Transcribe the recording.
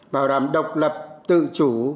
bảo đảm độc lập tự chủ